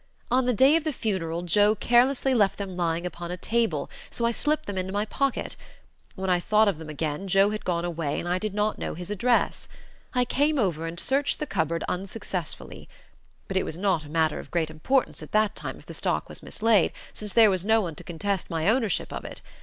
"On the day of the funeral Joe carelessly left them lying upon a table, so I slipped them into my pocket. When I thought of them again Joe had gone away and I did not know his address. I came over and searched the cupboard unsuccessfully. But it was not a matter of great importance at that time if the stock was mislaid, since there was no one to contest my ownership of it.